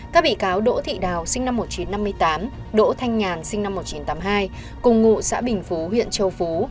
các bị cáo đỗ thị đào sinh năm một nghìn chín trăm năm mươi tám đỗ thanh nhàn sinh năm một nghìn chín trăm tám mươi hai cùng ngụ xã bình phú huyện châu phú